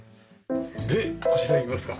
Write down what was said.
でこちら行きますか。